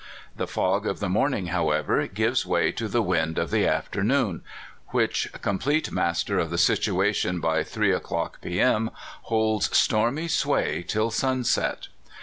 The fog of the morning, however, gives way to the wind of the afternoon, which, complete master of the situ ation by three o'clock P.M., holds stormy sway till sunset.